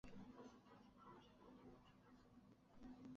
仅由其族人墓志可知其郡望为高阳郡齐氏。